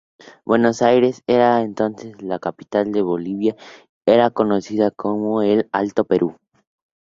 Buenos Aires era entonces la Capital y Bolivia era conocida como el Alto Perú.